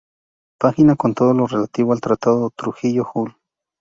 Página con todo lo relativo al Tratado Trujillo-Hull